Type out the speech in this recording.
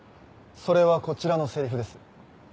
それはこちらのセリフです。